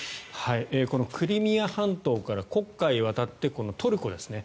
このクリミア半島から黒海を渡ってトルコですね。